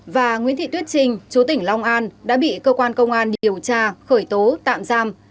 và nguyễn thị tuyết trinh chủ tỉnh long an đã bị cơ quan công an điều tra khởi tố tạm giam